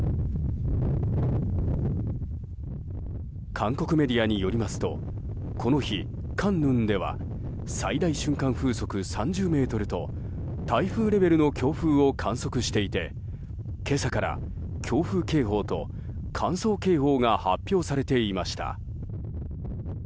韓国メディアによりますとこの日、カンヌンでは最大瞬間風速３０メートルと台風レベルの強風を観測していて今朝から、強風警報と乾燥警報が発表されていました。